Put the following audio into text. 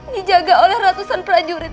dijaga oleh ratusan prajurit